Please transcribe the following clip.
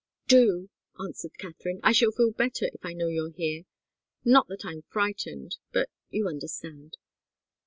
"Do!" answered Katharine. "I shall feel better if I know you're here. Not that I'm frightened but you understand."